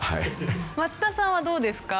松田さんはどうですか？